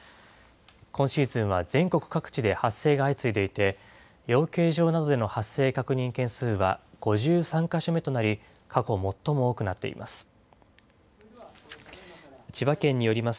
今シーズンは全国各地で発生が相次いでいて、養鶏場などでの発生確認件数は５３か所目となり、過去最も多くなっています。